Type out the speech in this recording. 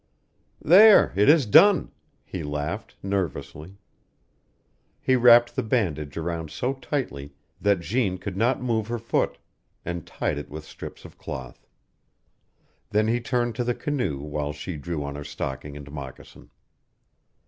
"There, it is done," he laughed, nervously. He wrapped the bandage around so tightly that Jeanne could not move her foot, and tied it with strips of cloth. Then he turned to the canoe while she drew on her stocking and moccasin.